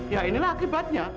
ya inilah akibatnya